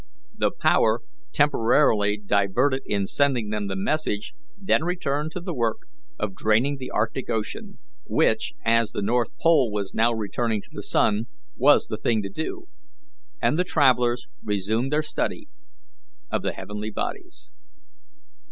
The power temporarily diverted in sending them the message then returned to the work of draining the Arctic Ocean, which, as the north pole was now returning to the sun, was the thing to do, and the travellers resumed their study of the heavenly bodies.